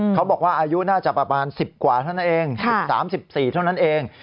เขาบอกว่าอายุน่าจะประมาณ๑๐กว่าเท่านั้นเอง๑๓๑๔เท่านั้นเอง